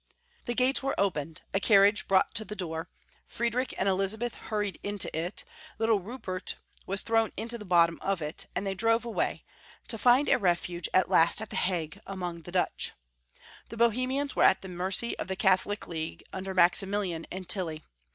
The gates were opened, a carriage brought to the door, Friedrich and Elizabeth hur ried into it, little Rupert was thrown into the bot tom of it, and they drove away, to find a refuge at last at the Hague, among the Dutch. The Bohe mians were at the mercy of the Catholic League under Maximilian and Tilly.